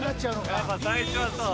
やっぱ最初はそう。